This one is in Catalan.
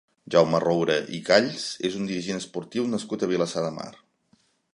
Jaume Roura i Calls és un dirigent esportiu nascut a Vilassar de Mar.